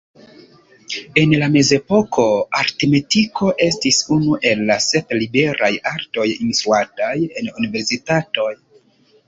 En la Mezepoko, aritmetiko estis unu el la sep liberaj artoj instruataj en universitatoj.